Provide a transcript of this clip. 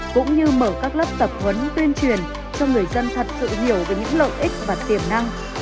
cũng như mở các lớp tập huấn tuyên truyền cho người dân thật sự hiểu về những lợi ích và tiềm năng